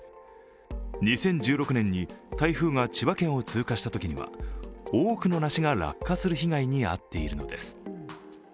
２０１６年に台風が千葉県を通過したときには多くの梨が落下する被害に遭っているのです。